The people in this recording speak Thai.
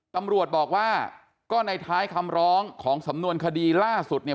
ตำรวจบอกว่าก็ในท้ายคำร้องของสำนวนคดีล่าสุดเนี่ย